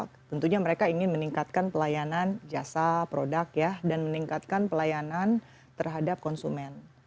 tentunya mereka ingin meningkatkan pelayanan jasa produk dan meningkatkan pelayanan terhadap konsumen